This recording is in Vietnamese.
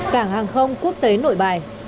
cảng hàng không quốc tế nội bài